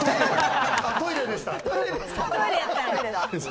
トイレでした。